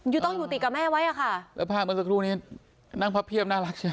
ต้องอยู่ติดกับแม่ไว้อ่ะค่ะแล้วภาพเมื่อสักครู่นี้นั่งพับเพียบน่ารักใช่ไหม